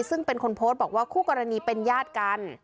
ซึ่งเป็นคนโพสต์บอกว่าคู่กรณีเป็นญาติกัน